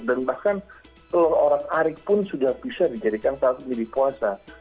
dan bahkan telur orang ari pun sudah bisa dijadikan saat pilih puasa